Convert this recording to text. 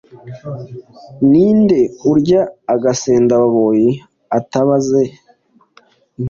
ni nde urya agasendababoyi atabaze inkoko